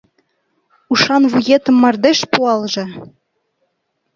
Ушан вуетым мардеж пуалже!